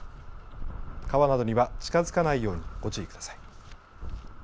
川などには近づかないようにご注意ください。